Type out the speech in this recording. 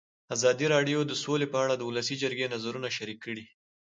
ازادي راډیو د سوله په اړه د ولسي جرګې نظرونه شریک کړي.